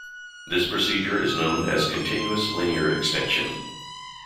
This procedure is known as continuous linear extension.